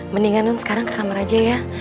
mendingan sekarang ke kamar aja ya